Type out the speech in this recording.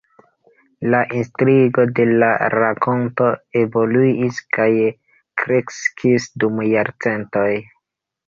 La intrigo de la rakonto evoluis kaj kreskis dum jarcentoj.